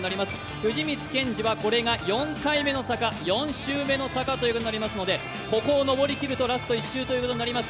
藤光謙司はこれが４回目の坂４周目の坂となりますのでここを上りきるとラスト１周になります。